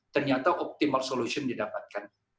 ternyata optimal solution didapatkan